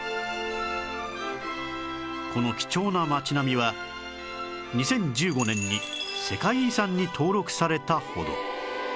この貴重な町並みは２０１５年に世界遺産に登録されたほど